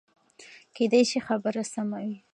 کېدای شي خبره سمه وي.